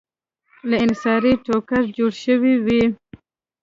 له انحصاري ټوکر جوړې شوې وې.